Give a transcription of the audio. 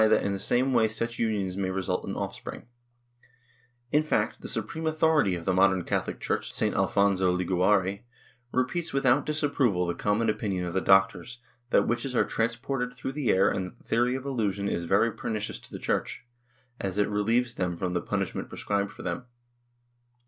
246 WITCHCRAFT [Book VIII as to incubi and succubi, but he does not deny that in some way such unions may result in offspring/ In fact, the supreme authority of the modern Cathohc Church, St. Alphonso Liguori, repeats without disapproval the common opinion of the doctors, that witches are transported through the air and that the theory of illusion is very pernicious to the Church, as it relieves them from the punishment prescribed for them.